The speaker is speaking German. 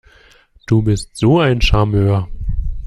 Du bist so ein Charmeur!